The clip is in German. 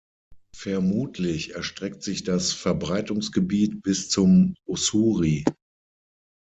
Vermutlich erstreckt sich das Verbreitungsgebiet bis zum Ussuri.